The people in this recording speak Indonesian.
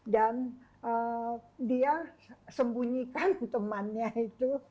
dan dia sembunyikan temannya itu